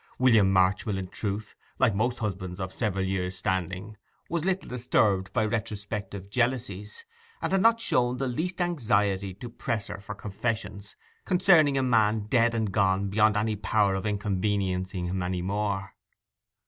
William Marchmill, in truth, like most husbands of several years' standing, was little disturbed by retrospective jealousies, and had not shown the least anxiety to press her for confessions concerning a man dead and gone beyond any power of inconveniencing him more.